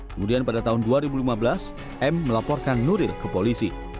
kemudian pada tahun dua ribu lima belas m melaporkan nuril ke polisi